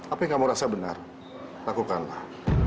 apa yang kamu rasa benar lakukanlah